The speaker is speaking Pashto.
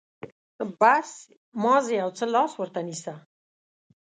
بس، مازې يو څه لاس ورته نيسه.